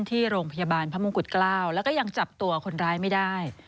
ที่โรงพยาบาลพระมงกุฎเกล้าแล้วก็ยังจับตัวคนร้ายไม่ได้